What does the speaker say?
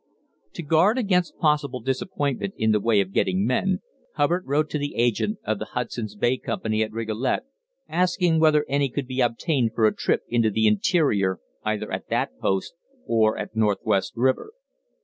To guard against possible disappointment in the way of getting men, Hubbard wrote to the agent of the Hudson's Bay Company at Rigolet, asking whether any could be obtained for a trip into the interior either at that post or at Northwest River.